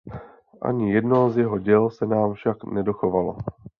Ani jedno z jeho děl se nám však nedochovalo.